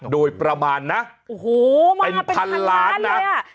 โดยประมาณนะโอ้โหมาเป็นพันล้านเลยเป็นพันล้านนะ